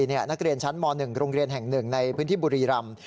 นักเรียนชั้นม๑โรงเรียนแห่ง๑ในพื้นที่บุรีรำ